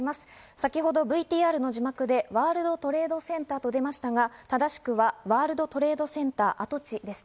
先ほどＶＴＲの字幕でワールドトレードセンターと出ましたが、正しくはワールドトレードセンター跡地でした。